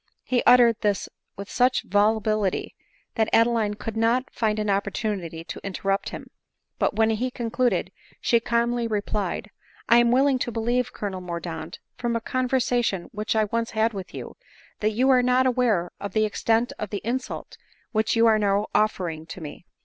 251 He uttered this with such volubility, that Adeline could not find an opportunity to interrupt him ; but when he concluded, she calmly replied, " I am willing to believe, Colonel Mordaunt, from a conversation which I once had with you, that you are not aware of the extent of the insuk which you are now offering to me.